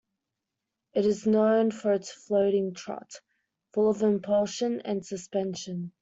It is known for its "floating trot" - full of impulsion and suspension.